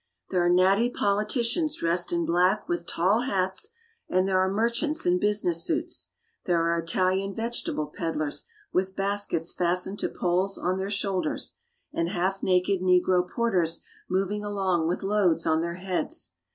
There are natty politicians dressed in black with tall hats, and there are merchants in business suits. There are Italian vegetable peddlers with baskets fastened to poles on their shoulders, and half naked negro porters moving along with loads on their heads.